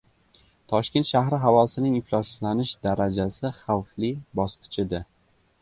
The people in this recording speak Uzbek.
Toshkent shahri havosining ifloslanish darajasi “Xavfli” bosqichida